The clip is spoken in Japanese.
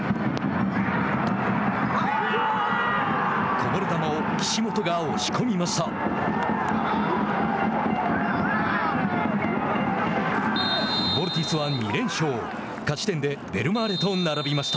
こぼれ球を岸本が押し込みました。